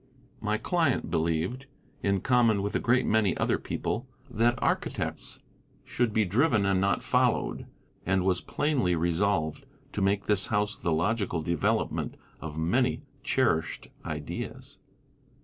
My client believed, in common with a great many other people, that architects should be driven and not followed, and was plainly resolved to make this house the logical development of many cherished ideas.